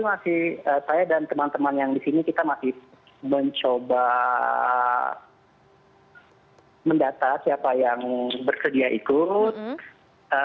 masih saya dan teman teman yang di sini kita masih mencoba mendata siapa yang bersedia ikut